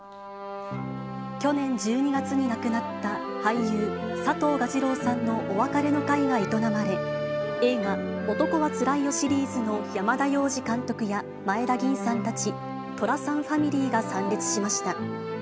去年１２月に亡くなった俳優、佐藤蛾次郎さんのお別れの会が営まれ、映画、男はつらいよシリーズの山田洋次監督や前田吟さんたち、寅さんファミリーが参列しました。